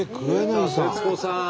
徹子さん！